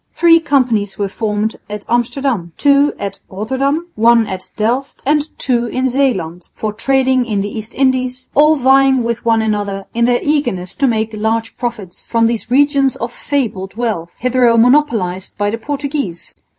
Three companies were formed at Amsterdam, two at Rotterdam, one at Delft and two in Zeeland, for trading in the East Indies, all vying with one another in their eagerness to make large profits from these regions of fabled wealth, hitherto monopolised by the Portuguese.